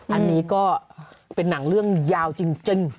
อันนี้ก็เป็นหนังเรื่องยาวจริง